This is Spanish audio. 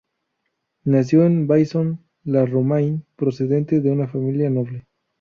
Nació en Vaison-la-Romaine procedente de una familia noble.